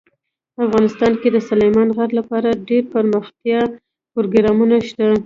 افغانستان کې د سلیمان غر لپاره دپرمختیا پروګرامونه شته.